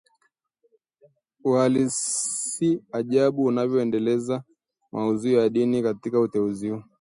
uhalisi ajabu yanavyoendeleza maudhui ya dini katika utenzi huu